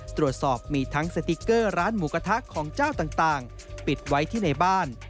ตรวจสอบมีทั้งสติ๊กเกอร์ร้านหมูกระทะของเจ้าต่างปิดไว้ที่ในบ้าน